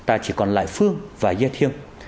ta chỉ còn lại phương và gia thiên